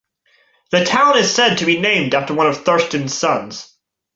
The town is said to be named after one of Thurstin's sons.